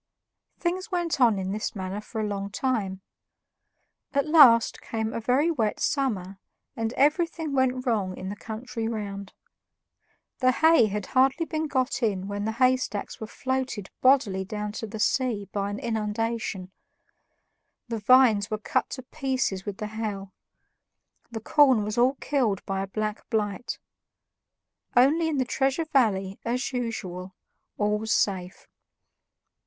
Things went on in this manner for a long time. At last came a very wet summer, and everything went wrong in the country round. The hay had hardly been got in when the haystacks were floated bodily down to the sea by an inundation; the vines were cut to pieces with the hail; the corn was all killed by a black blight. Only in the Treasure Valley, as usual, all was safe.